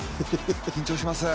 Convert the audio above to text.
緊張します。